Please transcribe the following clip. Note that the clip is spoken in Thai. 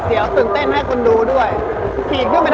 แต่เขาไม่ดูก็มี